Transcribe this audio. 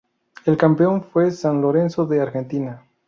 El campeón fue San Lorenzo, de Argentina.